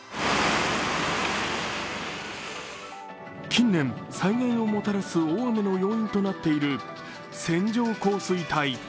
近年、災害をもたらす大雨の要因となっている線状降水帯。